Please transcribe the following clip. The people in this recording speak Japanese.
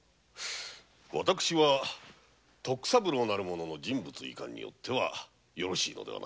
私は徳三郎の人物いかんによってはよろしいのではないかと。